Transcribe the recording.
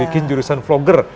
bikin jurusan vlogger